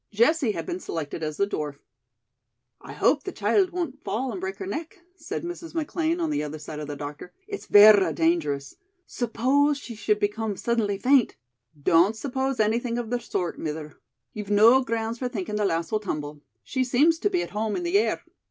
Jessie had been selected as the dwarf. "I hope the child won't fall and break her neck," said Mrs. McLean on the other side of the doctor. "It's verra dangerous. Suppose she should become suddenly faint " "Don't suppose anything of the sort, mither. You've no grounds for thinkin' the lass will tumble. She seems to be at home in the air."